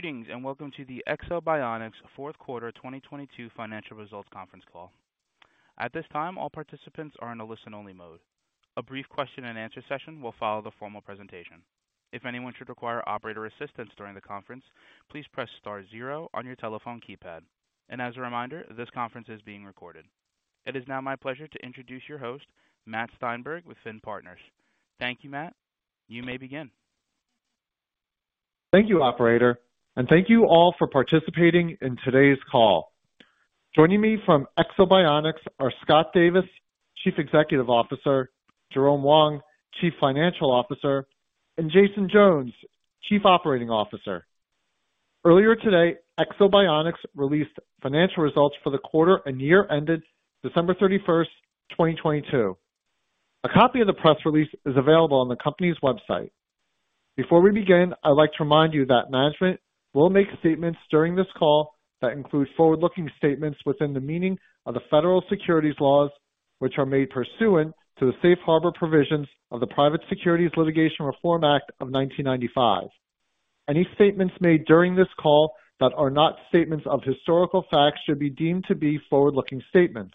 Greetings, welcome to the Ekso Bionics fourth quarter 2022 financial results conference call. At this time, all participants are in a listen-only mode. A brief question and answer session will follow the formal presentation. If anyone should require operator assistance during the conference, please press star zero on your telephone keypad. As a reminder, this conference is being recorded. It is now my pleasure to introduce your host, Matt Steinberg with FINN Partners. Thank you, Matt. You may begin. Thank you, Operator, and thank you all for participating in today's call. Joining me from Ekso Bionics are Scott Davis, Chief Executive Officer, Jerome Wong, Chief Financial Officer, and Jason Jones, Chief Operating Officer. Earlier today, Ekso Bionics released financial results for the quarter and year ended December 31st, 2022. A copy of the press release is available on the company's website. Before we begin, I'd like to remind you that management will make statements during this call that include forward-looking statements within the meaning of the federal securities laws, which are made pursuant to the Safe Harbor provisions of the Private Securities Litigation Reform Act of 1995. Any statements made during this call that are not statements of historical facts should be deemed to be forward-looking statements.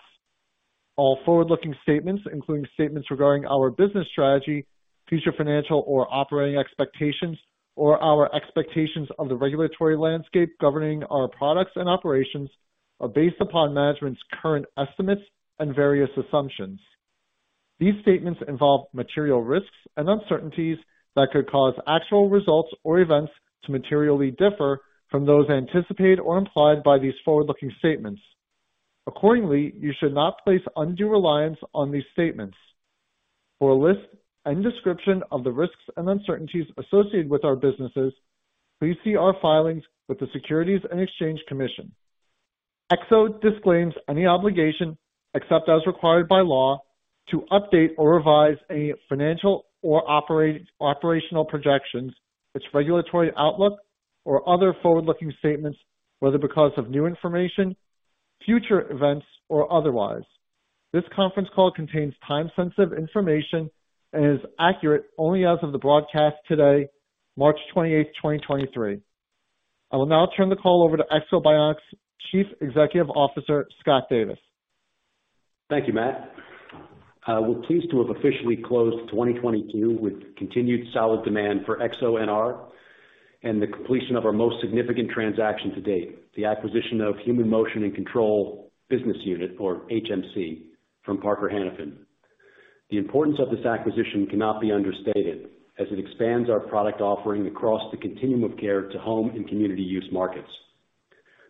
All forward-looking statements, including statements regarding our business strategy, future financial or operating expectations, or our expectations of the regulatory landscape governing our products and operations, are based upon management's current estimates and various assumptions. These statements involve material risks and uncertainties that could cause actual results or events to materially differ from those anticipated or implied by these forward-looking statements. You should not place undue reliance on these statements. For a list and description of the risks and uncertainties associated with our businesses, please see our filings with the Securities and Exchange Commission. Ekso disclaims any obligation, except as required by law, to update or revise a financial or operational projections, its regulatory outlook, or other forward-looking statements, whether because of new information, future events, or otherwise. This conference call contains time-sensitive information and is accurate only as of the broadcast today, March 28th, 2023. I will now turn the call over to Ekso Bionics' Chief Executive Officer, Scott Davis. Thank you, Matt. We're pleased to have officially closed 2022 with continued solid demand for EksoNR and the completion of our most significant transaction to date, the acquisition of Human Motion and Control business unit, or HMC, from Parker Hannifin. The importance of this acquisition cannot be understated, as it expands our product offering across the continuum of care to home and community use markets.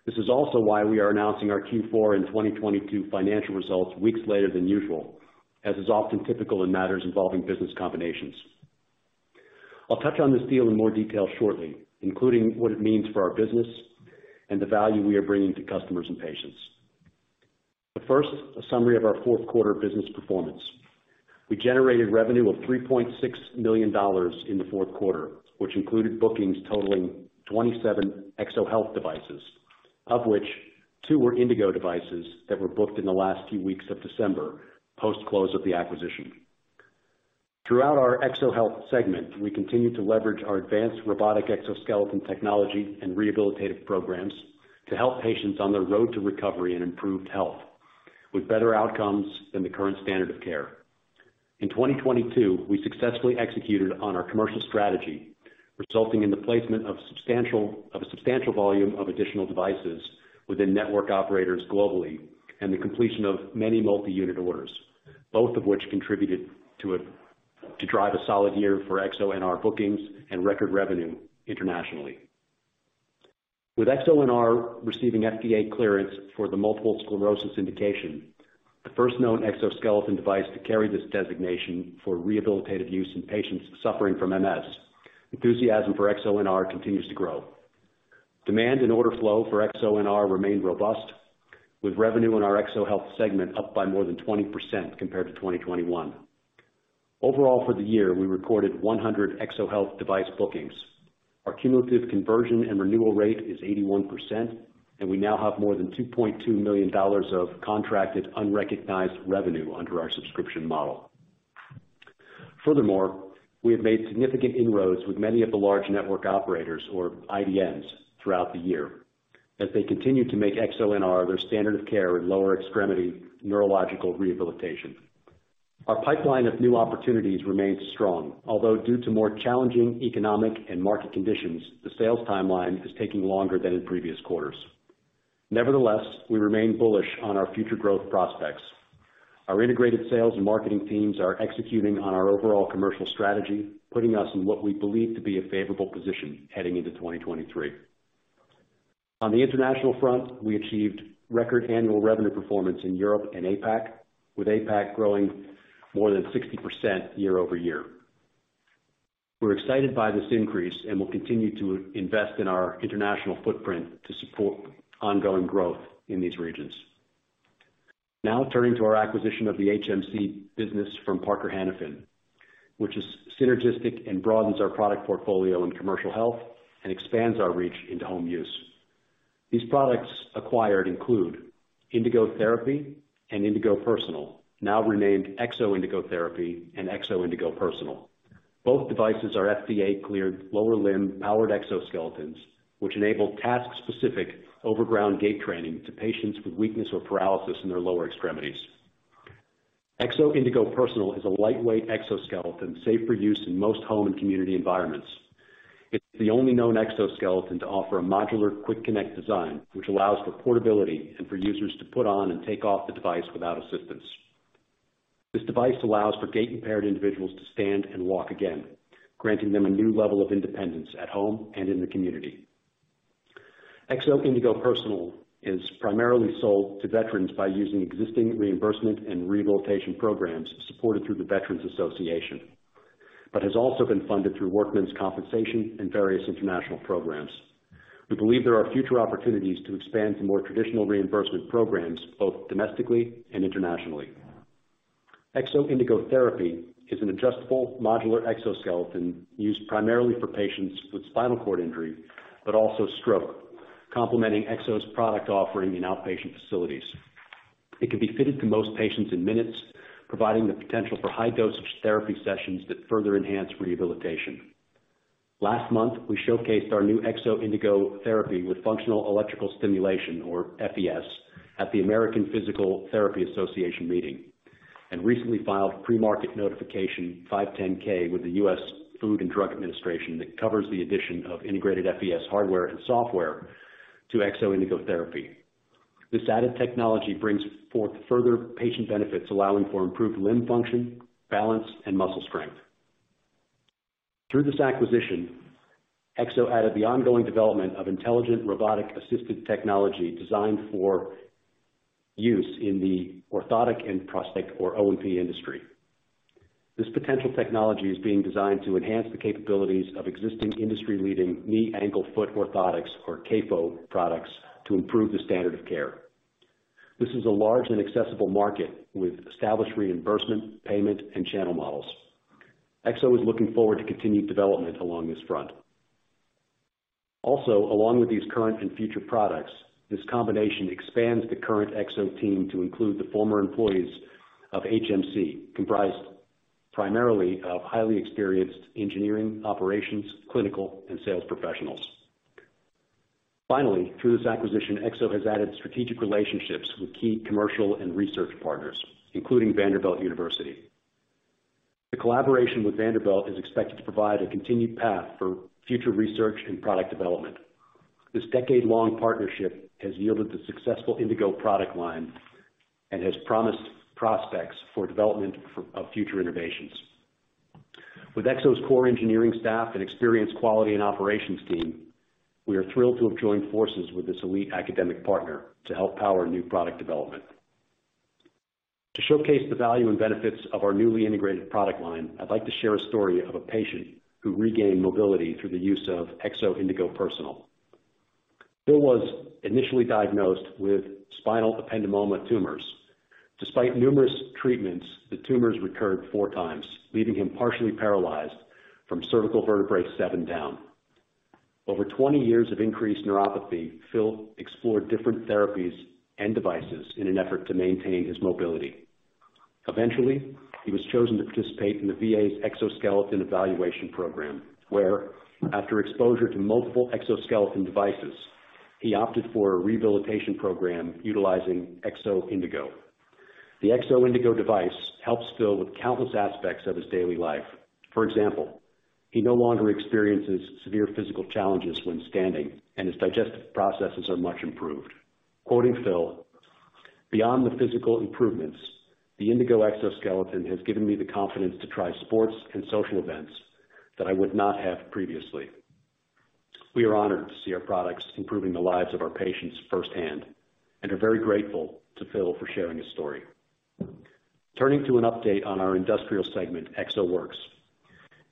This is also why we are announcing our Q4 in 2022 financial results weeks later than usual, as is often typical in matters involving business combinations. I'll touch on this deal in more detail shortly, including what it means for our business and the value we are bringing to customers and patients. First, a summary of our fourth quarter business performance. We generated revenue of $3.6 million in the fourth quarter, which included bookings totaling 27 EksoHealth devices, of which 2 were Indego devices that were booked in the last 2 weeks of December, post-close of the acquisition. Throughout our EksoHealth segment, we continued to leverage our advanced robotic exoskeleton technology and rehabilitative programs to help patients on the road to recovery and improved health with better outcomes than the current standard of care. In 2022, we successfully executed on our commercial strategy, resulting in the placement of a substantial volume of additional devices within network operators globally and the completion of many multi-unit orders, both of which contributed to drive a solid year for EksoNR bookings and record revenue internationally. With EksoNR receiving FDA clearance for the multiple sclerosis indication, the first known exoskeleton device to carry this designation for rehabilitative use in patients suffering from MS, enthusiasm for EksoNR continues to grow. Demand and order flow for EksoNR remained robust, with revenue in our EksoHealth segment up by more than 20% compared to 2021. Overall, for the year, we recorded 100 EksoHealth device bookings. Our cumulative conversion and renewal rate is 81%, and we now have more than $2.2 million of contracted unrecognized revenue under our subscription model. Furthermore, we have made significant inroads with many of the large network operators or IDNs throughout the year as they continue to make EksoNR their standard of care in lower extremity neurological rehabilitation. Our pipeline of new opportunities remains strong, although due to more challenging economic and market conditions, the sales timeline is taking longer than in previous quarters. Nevertheless, we remain bullish on our future growth prospects. Our integrated sales and marketing teams are executing on our overall commercial strategy, putting us in what we believe to be a favorable position heading into 2023. On the international front, we achieved record annual revenue performance in Europe and APAC, with APAC growing more than 60% year-over-year. We're excited by this increase and will continue to invest in our international footprint to support ongoing growth in these regions. Turning to our acquisition of the HMC business from Parker Hannifin, which is synergistic and broadens our product portfolio in commercial health and expands our reach into home use. These products acquired include Indego Therapy and Indego Personal, now renamed Ekso Indego Therapy and Ekso Indego Personal. Both devices are FDA cleared lower limb powered exoskeletons, which enable task specific overground gait training to patients with weakness or paralysis in their lower extremities. Ekso Indego Personal is a lightweight exoskeleton safe for use in most home and community environments. It's the only known exoskeleton to offer a modular quick connect design, which allows for portability and for users to put on and take off the device without assistance. This device allows for gait impaired individuals to stand and walk again, granting them a new level of independence at home and in the community. Ekso Indego Personal is primarily sold to veterans by using existing reimbursement and rehabilitation programs supported through the Veterans Association, has also been funded through workmen's compensation and various international programs. We believe there are future opportunities to expand to more traditional reimbursement programs both domestically and internationally. Ekso Indego Therapy is an adjustable modular exoskeleton used primarily for patients with spinal cord injury but also stroke, complementing Ekso's product offering in outpatient facilities. It can be fitted to most patients in minutes, providing the potential for high dosage therapy sessions that further enhance rehabilitation. Last month, we showcased our new Ekso Indego Therapy with functional electrical stimulation or FES at the American Physical Therapy Association meeting and recently filed pre-market notification 510(k) with the U.S. Food and Drug Administration that covers the addition of integrated FES hardware and software to Ekso Indego Therapy. This added technology brings forth further patient benefits, allowing for improved limb function, balance, and muscle strength. Through this acquisition, Ekso added the ongoing development of intelligent robotic assisted technology designed for use in the orthotic and prosthetic or O&P industry. This potential technology is being designed to enhance the capabilities of existing industry leading knee ankle foot orthotics or KAFO products to improve the standard of care. This is a large and accessible market with established reimbursement, payment, and channel models. Ekso is looking forward to continued development along this front. Also, along with these current and future products, this combination expands the current Ekso team to include the former employees of HMC, comprised primarily of highly experienced engineering, operations, clinical, and sales professionals. Finally, through this acquisition, Ekso has added strategic relationships with key commercial and research partners, including Vanderbilt University. The collaboration with Vanderbilt is expected to provide a continued path for future research and product development. This decade-long partnership has yielded the successful Indego product line and has promised prospects for development of future innovations. With Ekso's core engineering staff and experienced quality and operations team, we are thrilled to have joined forces with this elite academic partner to help power new product development. To showcase the value and benefits of our newly integrated product line, I'd like to share a story of a patient who regained mobility through the use of Ekso Indego Personal. Phil was initially diagnosed with spinal ependymoma tumors. Despite numerous treatments, the tumors recurred four times, leaving him partially paralyzed from cervical vertebrae 7 down. Over 20 years of increased neuropathy, Phil explored different therapies and devices in an effort to maintain his mobility. Eventually, he was chosen to participate in the VA's exoskeleton evaluation program, where after exposure to multiple exoskeleton devices, he opted for a rehabilitation program utilizing Ekso Indego. The Ekso Indego device helps Phil with countless aspects of his daily life. For example, he no longer experiences severe physical challenges when standing, and his digestive processes are much improved. Quoting Phil, "Beyond the physical improvements, the Indego exoskeleton has given me the confidence to try sports and social events that I would not have previously." We are honored to see our products improving the lives of our patients firsthand and are very grateful to Phil for sharing his story. Turning to an update on our industrial segment, EksoWorks.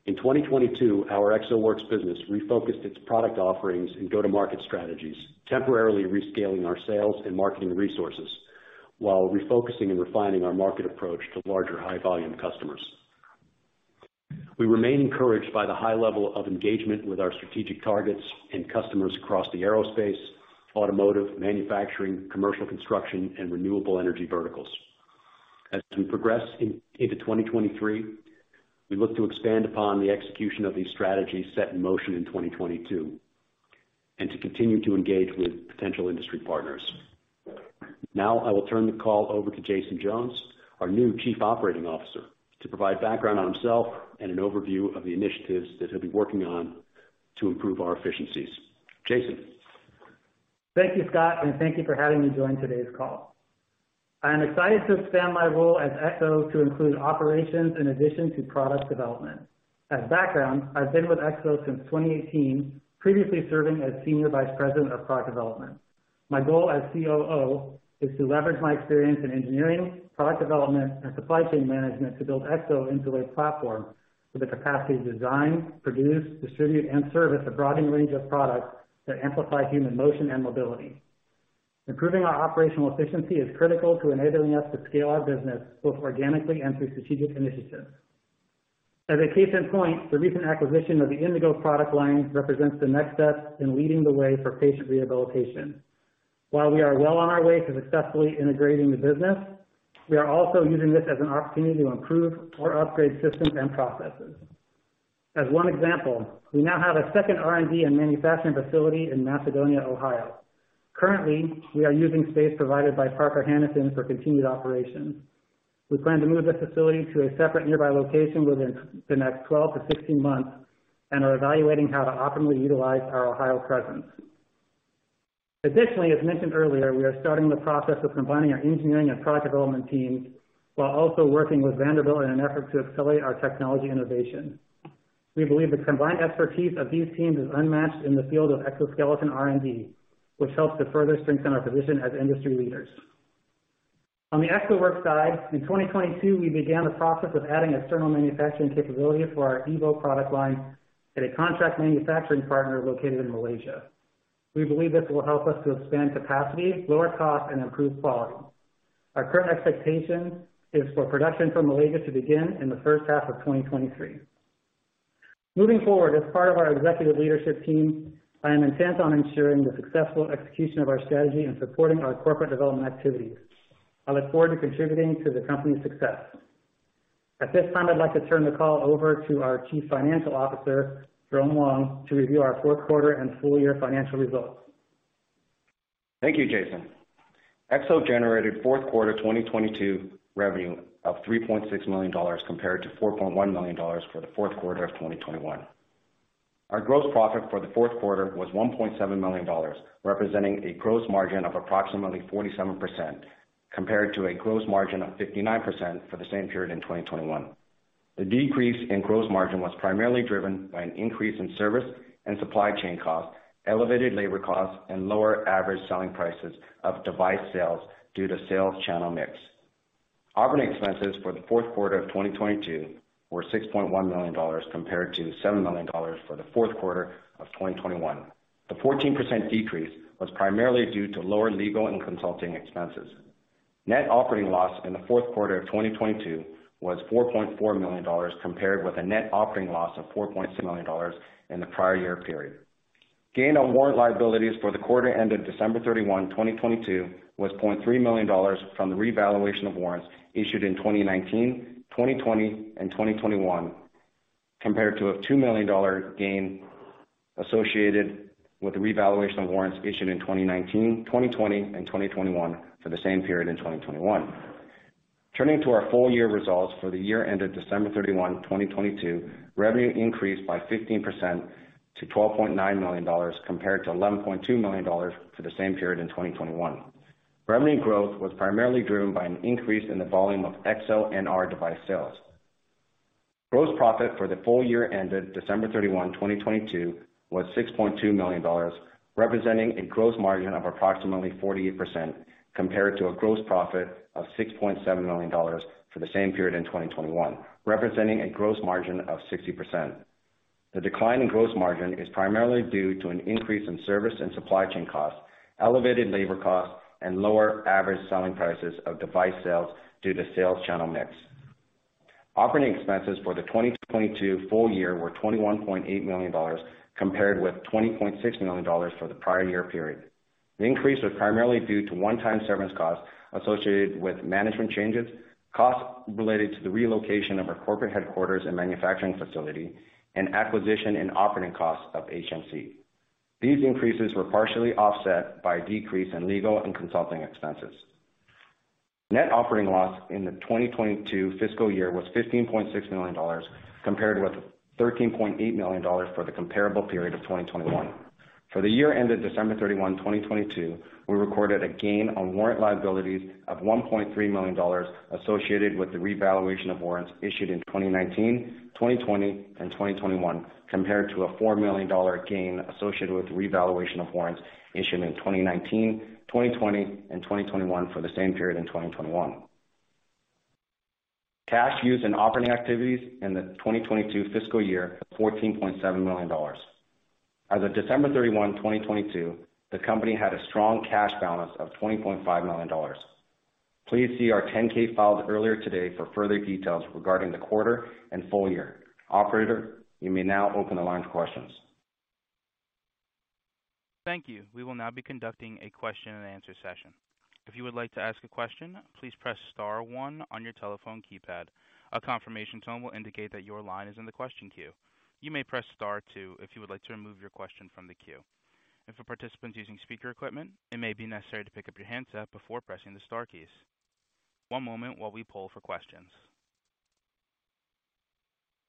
In 2022, our EksoWorks business refocused its product offerings and go-to-market strategies, temporarily rescaling our sales and marketing resources while refocusing and refining our market approach to larger, high volume customers. We remain encouraged by the high level of engagement with our strategic targets and customers across the aerospace, automotive, manufacturing, commercial construction and renewable energy verticals. As we progress into 2023, we look to expand upon the execution of these strategies set in motion in 2022 and to continue to engage with potential industry partners. Now I will turn the call over to Jason Jones, our new Chief Operating Officer, to provide background on himself and an overview of the initiatives that he'll be working on to improve our efficiencies. Jason. Thank you, Scott, thank you for having me join today's call. I am excited to expand my role at Ekso to include operations in addition to product development. As background, I've been with Ekso since 2018, previously serving as senior vice president of product development. My goal as COO is to leverage my experience in engineering, product development, and supply chain management to build Ekso into a platform with the capacity to design, produce, distribute, and service a broadening range of products that amplify human motion and mobility. Improving our operational efficiency is critical to enabling us to scale our business both organically and through strategic initiatives. As a case in point, the recent acquisition of the Indego product line represents the next step in leading the way for patient rehabilitation. While we are well on our way to successfully integrating the business, we are also using this as an opportunity to improve or upgrade systems and processes. As one example, we now have a second R&D and manufacturing facility in Macedonia, Ohio. Currently, we are using space provided by Parker Hannifin for continued operations. We plan to move this facility to a separate nearby location within the next 12 months-16 months and are evaluating how to optimally utilize our Ohio presence. Additionally, as mentioned earlier, we are starting the process of combining our engineering and product development teams while also working with Vanderbilt in an effort to accelerate our technology innovation. We believe the combined expertise of these teams is unmatched in the field of exoskeleton R&D, which helps to further strengthen our position as industry leaders. On the EksoWorks side, in 2022, we began the process of adding external manufacturing capability for our EVO product line at a contract manufacturing partner located in Malaysia. We believe this will help us to expand capacity, lower cost, and improve quality. Our current expectation is for production from Malaysia to begin in the first half of 2023. Moving forward, as part of our executive leadership team, I am intent on ensuring the successful execution of our strategy and supporting our corporate development activities. I look forward to contributing to the company's success. At this time, I'd like to turn the call over to our Chief Financial Officer, Jerome Wong, to review our fourth quarter and full year financial results. Thank you, Jason. Ekso generated fourth quarter 2022 revenue of $3.6 million compared to $4.1 million for the fourth quarter of 2021. Our gross profit for the fourth quarter was $1.7 million, representing a gross margin of approximately 47% compared to a gross margin of 59% for the same period in 2021. The decrease in gross margin was primarily driven by an increase in service and supply chain costs, elevated labor costs, and lower average selling prices of device sales due to sales channel mix. Operating expenses for the fourth quarter of 2022 were $6.1 million compared to $7 million for the fourth quarter of 2021. The 14% decrease was primarily due to lower legal and consulting expenses. Net operating loss in the fourth quarter of 2022 was $4.4 million compared with a net operating loss of $4.2 million in the prior year period. Gain on warrant liabilities for the quarter ended December 31, 2022, was $0.3 million from the revaluation of warrants issued in 2019, 2020, and 2021, compared to a $2 million gain associated with the revaluation of warrants issued in 2019, 2020, and 2021 for the same period in 2021. Our full year results for the year ended December 31, 2022, revenue increased by 15% to $12.9 million compared to $11.2 million for the same period in 2021. Revenue growth was primarily driven by an increase in the volume of EksoNR device sales. Gross profit for the full year ended December 31, 2022, was $6.2 million, representing a gross margin of approximately 48% compared to a gross profit of $6.7 million for the same period in 2021, representing a gross margin of 60%. The decline in gross margin is primarily due to an increase in service and supply chain costs, elevated labor costs, and lower average selling prices of device sales due to sales channel mix. Operating expenses for the 2022 full year were $21.8 million compared with $20.6 million for the prior year period. The increase was primarily due to one-time severance costs associated with management changes, costs related to the relocation of our corporate headquarters and manufacturing facility, and acquisition and operating costs of HMC. These increases were partially offset by a decrease in legal and consulting expenses. Net operating loss in the 2022 fiscal year was $15.6 million compared with $13.8 million for the comparable period of 2021. For the year ended December 31, 2022, we recorded a gain on warrant liabilities of $1.3 million associated with the revaluation of warrants issued in 2019, 2020, and 2021, compared to a $4 million gain associated with revaluation of warrants issued in 2019, 2020, and 2021 for the same period in 2021. Cash used in operating activities in the 2022 fiscal year, $14.7 million. As of December 31, 2022, the company had a strong cash balance of $20.5 million. Please see our 10-K filed earlier today for further details regarding the quarter and full year. Operator, you may now open the line for questions. Thank you. We will now be conducting a question and answer session. If you would like to ask a question, please press star one on your telephone keypad. A confirmation tone will indicate that your line is in the question queue. You may press star two if you would like to remove your question from the queue. For participants using speaker equipment, it may be necessary to pick up your handset before pressing the star keys. One moment while we poll for questions.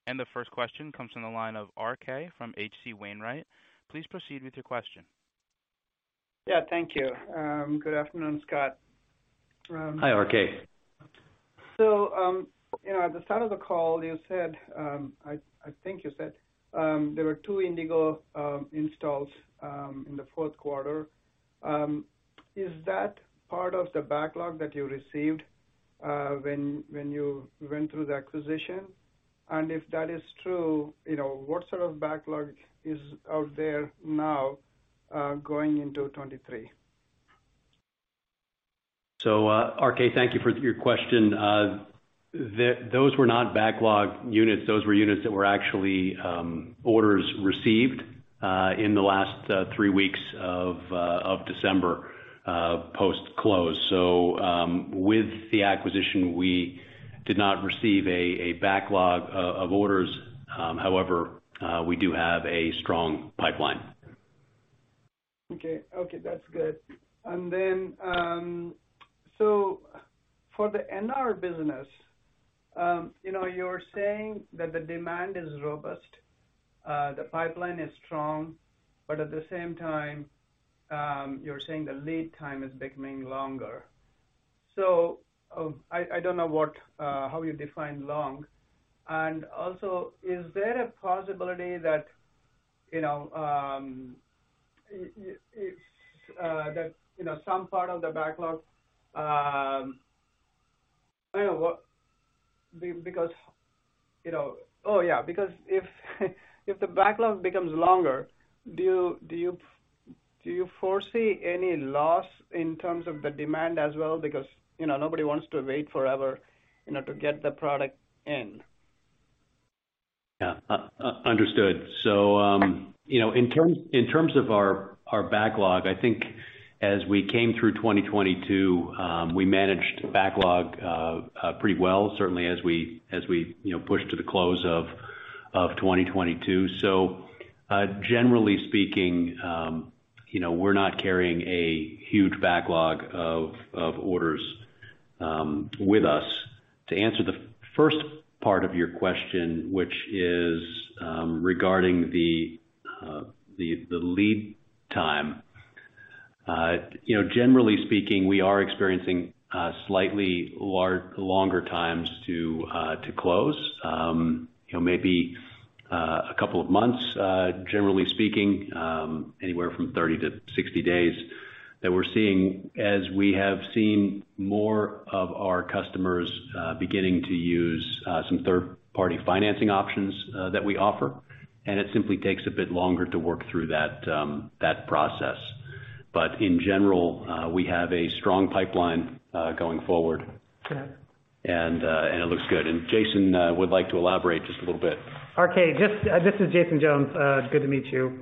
The first question comes from the line of RK from H.C. Wainwright. Please proceed with your question. Yeah, thank you. Good afternoon, Scott. Hi, RK. You know, at the start of the call, you said, I think you said, there were two Indego installs in the fourth quarter. Is that part of the backlog that you received, when you went through the acquisition? If that is true, you know, what sort of backlog is out there now, going into 2023? RK, thank you for your question. Those were not backlog units. Those were units that were actually, orders received in the last three weeks of December post-close. With the acquisition, we did not receive a backlog of orders. However, we do have a strong pipeline. Okay, that's good. For the NR business, you know, you're saying that the demand is robust, the pipeline is strong, but at the same time, you're saying the lead time is becoming longer. I don't know how you define long. Is there a possibility that, you know, it's that, you know, some part of the backlog... I know what? Because, you know, if the backlog becomes longer, do you foresee any loss in terms of the demand as well? Because, you know, nobody wants to wait forever, you know, to get the product in. Yeah. Understood. You know, in terms, in terms of our backlog, I think as we came through 2022, we managed backlog pretty well, certainly as we, you know, pushed to the close of 2022. Generally speaking, you know, we're not carrying a huge backlog of orders with us. To answer the first part of your question, which is regarding the lead time. You know, generally speaking, we are experiencing slightly longer times to close. You know, maybe, a couple of months, generally speaking, anywhere from 30 days-60 days that we're seeing as we have seen more of our customers, beginning to use, some third-party financing options, that we offer, and it simply takes a bit longer to work through that process. In general, we have a strong pipeline, going forward. Okay. It looks good. Jason would like to elaborate just a little bit. RK, this is Jason Jones. Good to meet you.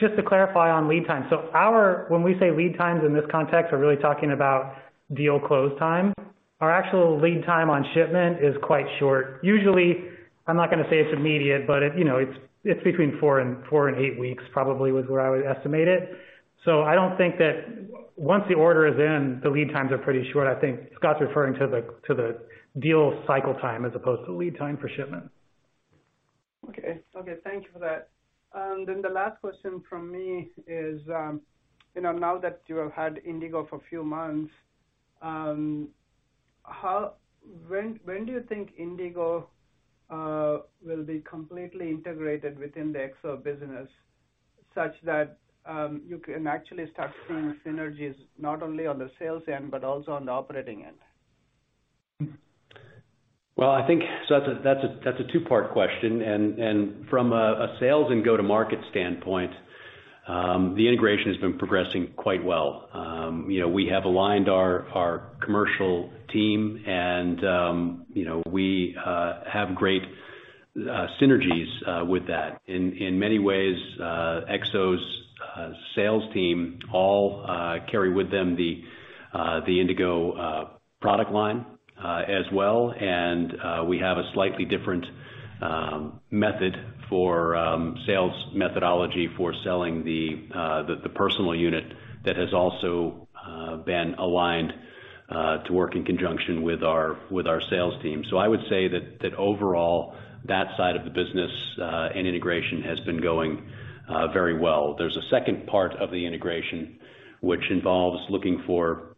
Just to clarify on lead time. When we say lead times in this context, we're really talking about deal close time. Our actual lead time on shipment is quite short. Usually, I'm not gonna say it's immediate, but it, you know, it's between four and eight weeks probably was what I would estimate it. I don't think that once the order is in, the lead times are pretty short. I think Scott's referring to the deal cycle time as opposed to lead time for shipment. Okay. Okay, thank you for that. The last question from me is, you know, now that you have had Indego for a few months, when do you think Indego will be completely integrated within the Ekso business such that you can actually start seeing synergies not only on the sales end, but also on the operating end? Well, I think that's a two-part question. From a sales and go-to-market standpoint, the integration has been progressing quite well. You know, we have aligned our commercial team and, you know, we have great synergies with that. In many ways, Ekso's sales team all carry with them the Indego product line as well. We have a slightly different method for sales methodology for selling the personal unit that has also been aligned to work in conjunction with our sales team. I would say that overall, that side of the business and integration has been going very well. There's a second part of the integration which involves looking for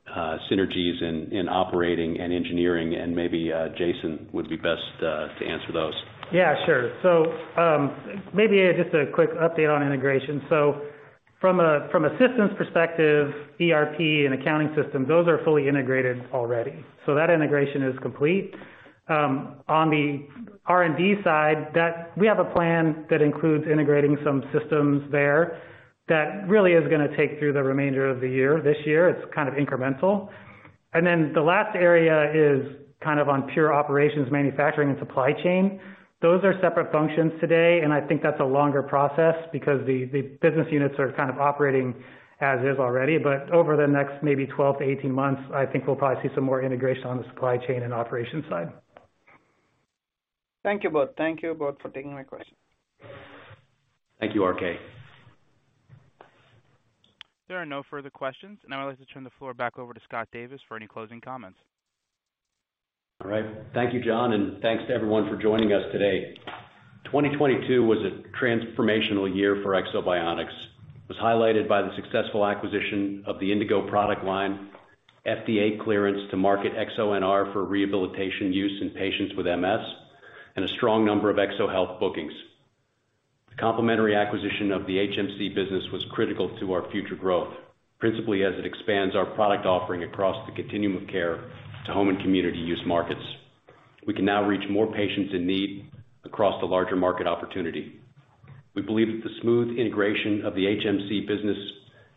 synergies in operating and engineering, and maybe, Jason would be best to answer those. Yeah, sure. Maybe just a quick update on integration. From a systems perspective, ERP and accounting systems, those are fully integrated already. That integration is complete. On the R&D side, we have a plan that includes integrating some systems there that really is gonna take through the remainder of the year, this year. It's kind of incremental. The last area is kind of on pure operations, manufacturing and supply chain. Those are separate functions today, and I think that's a longer process because the business units are kind of operating as is already. Over the next maybe 12 months-18 months, I think we'll probably see some more integration on the supply chain and operations side. Thank you both. Thank you both for taking my questions. Thank you, RK. There are no further questions, and I would like to turn the floor back over to Scott Davis for any closing comments. All right. Thank you, John, and thanks to everyone for joining us today. 2022 was a transformational year for Ekso Bionics. It was highlighted by the successful acquisition of the Indego product line, FDA clearance to market EksoNR for rehabilitation use in patients with MS, and a strong number of EksoHealth bookings. The complementary acquisition of the HMC business was critical to our future growth, principally as it expands our product offering across the continuum of care to home and community use markets. We can now reach more patients in need across the larger market opportunity. We believe that the smooth integration of the HMC business,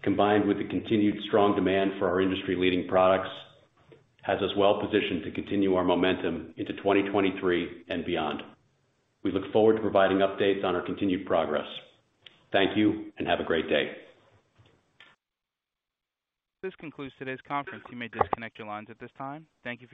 combined with the continued strong demand for our industry-leading products, has us well positioned to continue our momentum into 2023 and beyond. We look forward to providing updates on our continued progress. Thank you, and have a great day. This concludes today's conference. You may disconnect your lines at this time. Thank you for your participation.